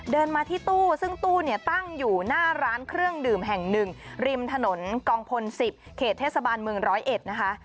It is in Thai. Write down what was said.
เดินมาที่ตู้ซึ่งตู้เนี่ยตั้งอยู่หน้าร้านเครื่องดื่มแห่งหนึ่งริมถนนกองพล๑๐เขตเทศบาลเมืองร้อยเอ็ดนะคะ